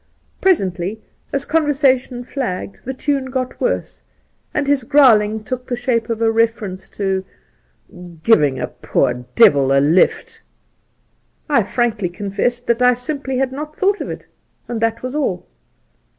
Presently, as conver sation flagged, the tune got worse and his growling took the shape of a reference to 'giving a poor devU a lift.' Soltke 39 I frankly confessed that I simply had not thought of it, and that was all.